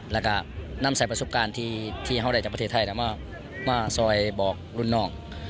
แล้วก็นำใส่ประสบการณ์ที่เขาได้จากประเทศไทยแต่มาซอยบอกรุ่นน้อง